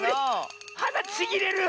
はだちぎれる！